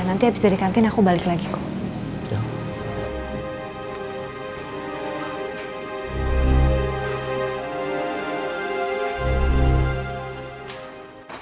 nanti abis dari kantin aku balik lagi kok